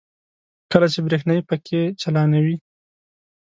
کله چې برېښنايي پکې چالانوي.